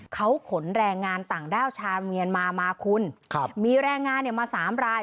เขาขนแรงงานต่างด้าวชาวเมียนมามาคุณครับมีแรงงานเนี่ยมาสามราย